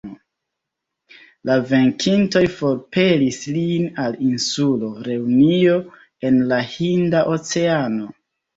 La venkintoj forpelis lin al insulo Reunio, en la Hinda Oceano.